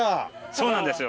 そうなんですよ。